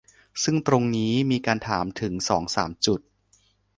ซึ่งตรงนี้มีการถามถึงสองสามจุด